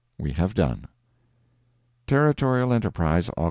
We have done. Territorial Enterprise, Aug.